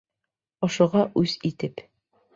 Ошоға үс итеп.